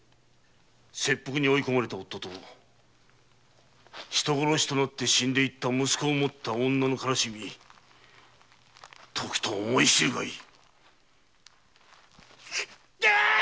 切腹に追いこまれた夫と人殺しとなって死んでいった息子をもった女の悲しみとくと思い知るがいい！